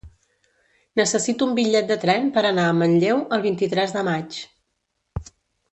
Necessito un bitllet de tren per anar a Manlleu el vint-i-tres de maig.